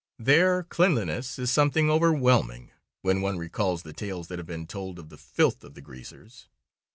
There cleanliness is something overwhelming, when one recalls the tales that have been told of the filth of the "greasers."